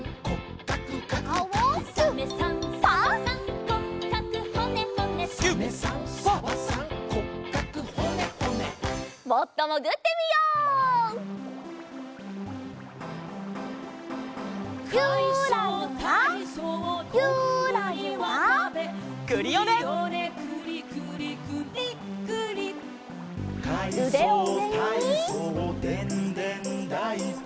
「かいそうたいそうでんでんだいこ」